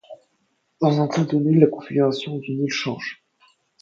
Dans un temps donné la configuration d’une île change.